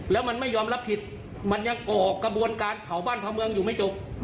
แล้วมันไม่ยอมรับผิดมันยังก่อกระบวนการเผาบ้านพระเมืองอยู่ไม่จบ